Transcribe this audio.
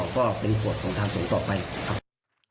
ก็เป็นขวดของทางส่วนต่อไปครับ